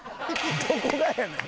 どこがやねん！